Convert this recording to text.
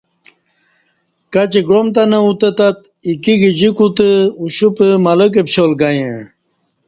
کچی گعام تہ نہ اُتت اِکی گجیکو تہ اُشوپہ ملک پشال گہ یݩع